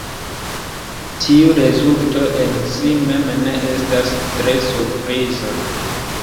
Tiu rezulto en si mem ne estas tre surpriza.